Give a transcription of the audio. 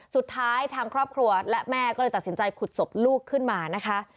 ทางครอบครัวและแม่ก็เลยตัดสินใจขุดศพลูกขึ้นมานะคะ